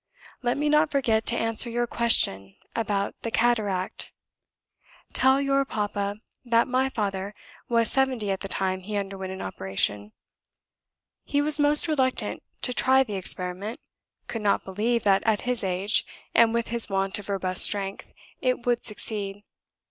"Let me not forget to answer your question about the cataract. Tell your papa that MY father was seventy at the time he underwent an operation; he was most reluctant to try the experiment; could not believe that, at his age, and with his want of robust strength, it would succeed.